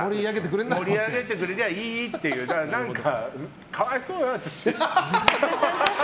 盛り上げてくれりゃいいっていう可哀想よ、あたし。